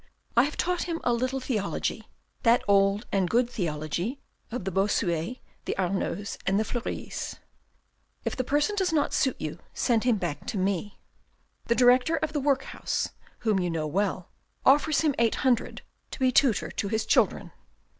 I have taught him a little theology, that old and good theology of the Bossuets, the Arnaults, and the Fleury's. If the person does not suit you, send him back to me. The director of the workhouse, whom you know well, offers him eight hundred to be tutor to his children.